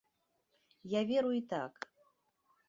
Я веру і так.